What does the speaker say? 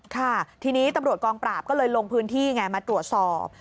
ค่ะทีนี้ตำรวจกองปราบก็เลยลงพื้นที่ไงมาตรวจสอบ